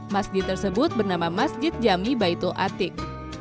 masjid tersebut bernama masjid jami baitul atik